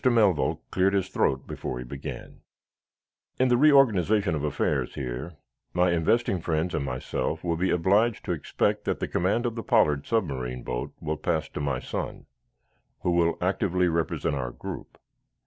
Melville cleared his throat before he began: "In the reorganization of affairs here, my investing friends and myself will be obliged to expect that the command of the 'Pollard' submarine boat will pass to my son, who will actively represent our group.